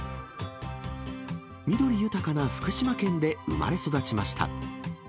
緑豊かな福島県で生まれ育ちました。